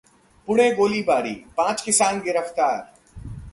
पुणे गोलीबारी: पांच किसान गिरफ्तार